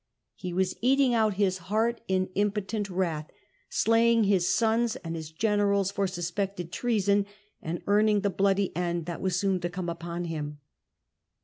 He was eating out his heart in impotent wrath, slaying his sons and his generals for suspected treason, and earning the bloody end that was soon to come upon him.